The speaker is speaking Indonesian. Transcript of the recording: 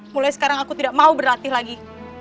mulai sekarang aku tidak mau berlatih lagi